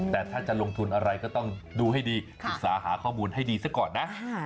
แต่ถ้าจะลงทุนอะไรก็ต้องดูให้ดีศึกษาหาข้อมูลให้ดีซะก่อนนะ